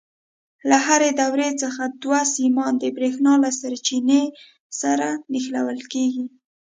له هرې دورې څخه دوه سیمان د برېښنا له سرچینې سره نښلول کېږي.